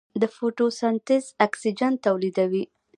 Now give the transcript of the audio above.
د فوټوسنتز اکسیجن تولیدوي.